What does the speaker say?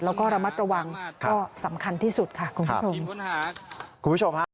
แล้วก็ระมัดประวังก็สำคัญที่สุดค่ะคุณผู้ชม